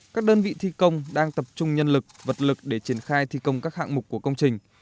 các đơn vị thi công đang tập trung nhân lực vật lực để triển khai thi công các hạng mục của công trình